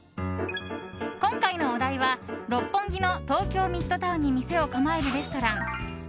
今回のお題は、六本木の東京ミッドタウンに店を構えるレストラン